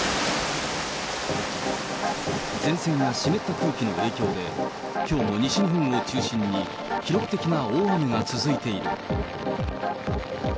前線や湿った空気の影響で、きょうも西日本を中心に記録的な大雨が続いている。